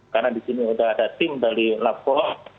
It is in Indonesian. karena disini sudah ada tim dari labko